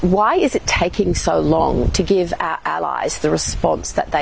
kenapa berlangsung terlalu lama untuk memberikan respon kepada rakyat kita